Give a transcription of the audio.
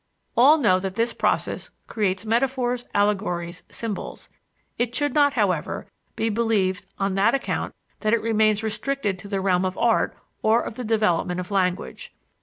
All know that this process creates metaphors, allegories, symbols; it should not, however, be believed on that account that it remains restricted to the realm of art or of the development of language.